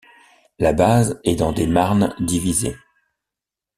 La base est dans des marnes divisées.